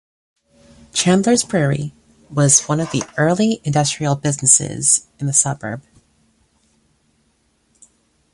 Chandler's Brewery was one of the early industrial business' in the suburb.